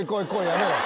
やめろ！